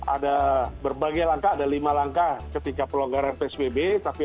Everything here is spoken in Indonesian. ada berbagai langkah ada lima langkah ketika pelonggaran psbb